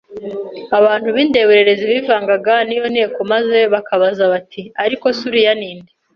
Abantu b'indeberezi bivangaga n'iyo nteko maze bakabaza bati : "Ariko se uriya ninde?